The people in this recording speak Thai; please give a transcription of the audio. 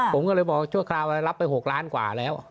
ผมก็เลยบอกชั่วคราวรับไป๖ล้านกว่าแล้ว